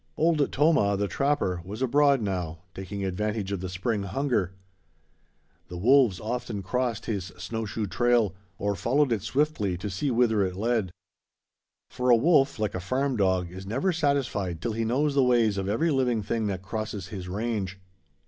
Old Tomah, the trapper, was abroad now, taking advantage of the spring hunger. The wolves often crossed his snow shoe trail, or followed it swiftly to see whither it led. For a wolf, like a farm dog, is never satisfied till he knows the ways of every living thing that crosses his range.